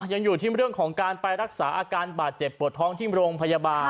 ยังอยู่ที่เรื่องของการไปรักษาอาการบาดเจ็บปวดท้องที่โรงพยาบาล